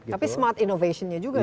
tapi smart innovationnya juga